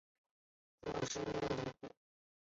果实为离果。